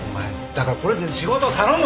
だからこれ仕事頼む。